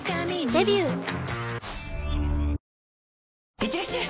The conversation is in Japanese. いってらっしゃい！